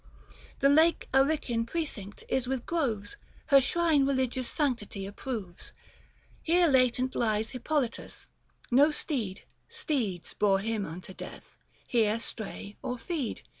The lake Arician precinct is with groves, 280 Her shrine religious sanctity approves ; Here latent lies Hippolytus; no steed — Steeds bore him unto death — here stray or feed.